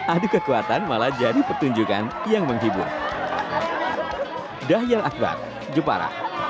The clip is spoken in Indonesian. adu kekuatan malah jadi pertunjukan yang menghibur